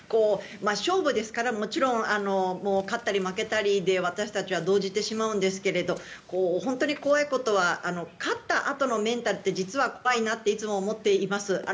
勝負ですからもちろん勝ったり負けたりで私たちは動じてしまうんですけど本当に怖いことは勝ったあとのメンタルって実は怖いなっていつも思っています。